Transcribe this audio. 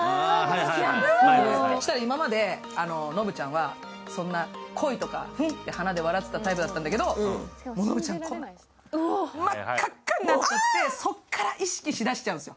そしたら今まで、のぶちゃんは恋とかフンって鼻で笑っていたタイプだったんだけど、真っ赤っかになっちゃって、そこから意識し出しちゃうんです。